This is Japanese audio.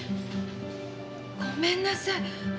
ごめんなさい！